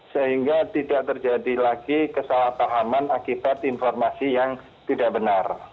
sehingga tidak terjadi lagi kesalahpahaman akibat informasi yang tidak benar